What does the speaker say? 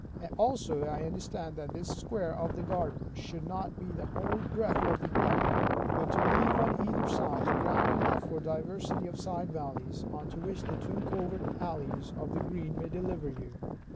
Also I understand, that this square of the garden, should not be the whole breadth of the ground, but to leave on either side, ground enough for diversity of side alleys; unto which the two covert alleys of the green, may deliver you.